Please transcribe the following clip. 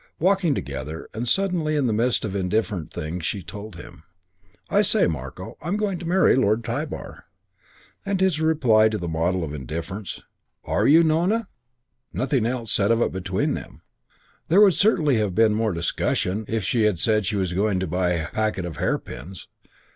Walking together. And suddenly, in the midst of indifferent things, she told him, "I say, Marko, I'm going to marry Lord Tybar." And his reply, the model of indifference. "Are you, Nona?" Nothing else said of it between them. There would certainly have been more discussion if she had said she was going to buy a packet of hairpins.